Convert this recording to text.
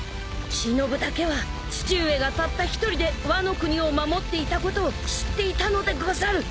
［しのぶだけは父上がたった一人でワノ国を守っていたことを知っていたのでござる］